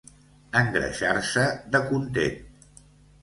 Engreixar-se de content.